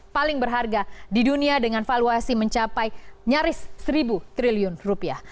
paling berharga di dunia dengan valuasi mencapai nyaris seribu triliun rupiah